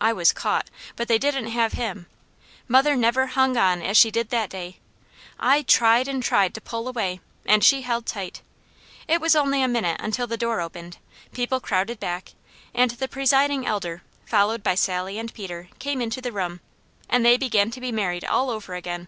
I was caught, but they didn't have him. Mother never hung on as she did that day. I tried and tried to pull away, and she held tight. It was only a minute until the door opened, people crowded back, and the Presiding Elder, followed by Sally and Peter, came into the room, and they began being married all over again.